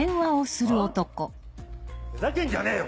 ふざけんじゃねえよ！